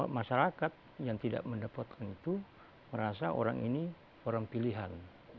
masyarakat yang tidak mendapatkan itu merasa orang ini orang pilihan